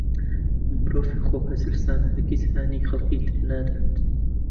مرۆڤی خۆبەزلزان هەرگیز هانی خەڵکی تر نادات.